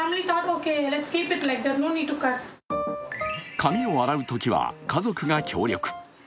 髪を洗うときは家族が協力。